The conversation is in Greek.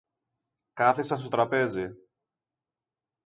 Κάθισαν στο τραπέζι.